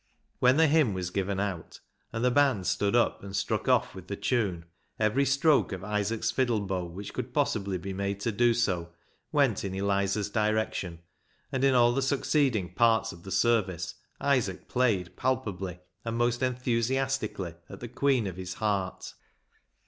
When the hymn was given out, and the band stood up and struck off with the tune, every stroke of Isaac's fiddle bow which could possibly be made to do so went in Eliza's direction, and in all the succeeding parts of the service Isaac played palpably, and most enthusiastically, at the queen of his heart.